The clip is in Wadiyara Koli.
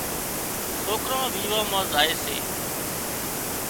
سوڪران ويوان مان زائي سي